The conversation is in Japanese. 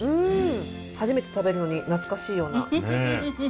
初めて食べるのに懐かしいような。